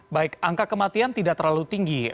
baik angka kematian tidak terlalu tinggi